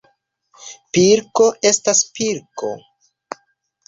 Pilko estas pilko.